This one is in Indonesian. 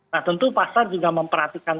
nah tentu pasar juga memperhatikan